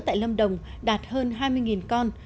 tại lâm đồng đạt hơn hai mươi con